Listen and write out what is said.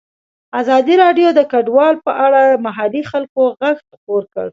ازادي راډیو د کډوال په اړه د محلي خلکو غږ خپور کړی.